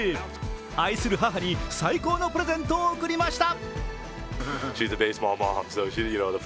愛する母に最高のプレゼントを贈りました。